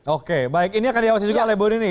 oke baik ini akan diawasi juga oleh bu rini